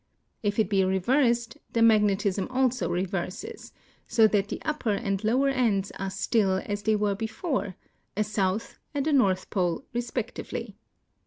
If it be reversed, the magnetism also reverses, so that tiie upper and lower ends are still as they were l)efore — a south and a north pole, respectively.